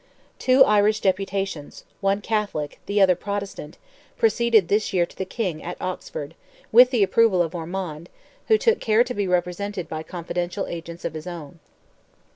Two Irish deputations—one Catholic, the other Protestant—proceeded this year to the King, at Oxford, with the approval of Ormond, who took care to be represented by confidential agents of his own.